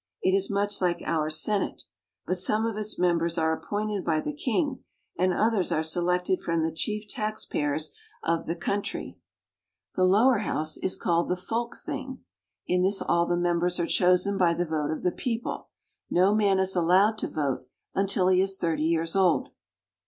It is much like our Senate ; but some of its members are appointed by the king, and others are selected from the chief taxpayers of the coun How clean the streets are! i6o SCANDINAVIA. try. The lower House is called the Folkething. In this all the members are chosen by the vote of the people ; no man is allowed to vote until he is thirty years old.